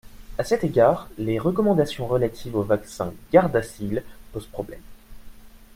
À cet égard, les recommandations relatives au vaccin Gardasil posent problème.